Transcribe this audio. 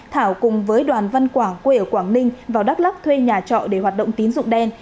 thảo cùng với đoàn văn quảng quê ở quảng ninh vào đắk lắc thuê nhà trọ để hoạt động tín dụng đen